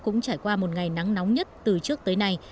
cũng trải qua một ngày nắng nóng nhất từ trước tới nay